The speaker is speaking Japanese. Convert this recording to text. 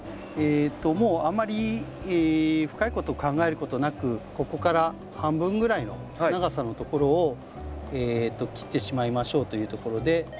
もうあまり深いことを考えることなくここから半分ぐらいの長さのところを切ってしまいましょうというところで。